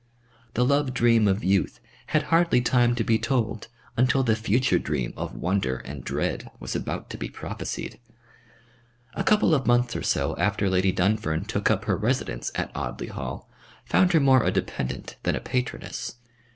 The love dream of youth had hardly time to be told until the future dream of wonder and dread was about to be prophesied. A couple of months or so after Lady Dunfern took up her residence at Audley Hall found her more a dependent than a patroness.